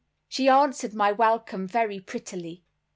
She answered my welcome very prettily.